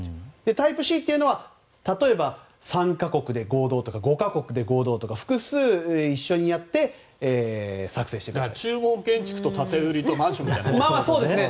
タイプＣというのは例えば３か国とか５か国で合同とか複数で一緒にやって注文建設と建売とマンションみたいなものだね。